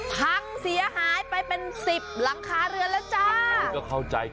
พังเสียหายไปเป็นสิบหลังคาเรือนแล้วจ้า